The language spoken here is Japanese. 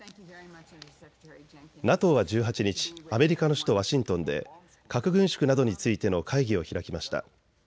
ＮＡＴＯは１８日、アメリカの首都ワシントンで核軍縮などについての会議を開きました。